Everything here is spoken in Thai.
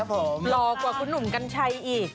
หล่อกว่าคุณหนุ่มกัญชัยอีก